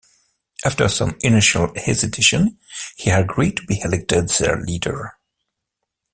After some initial hesitation he agreed to be elected their leader.